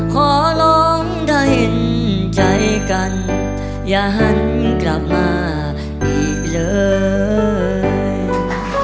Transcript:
ขอร้องได้เห็นใจกันอย่าหันกลับมาอีกเลย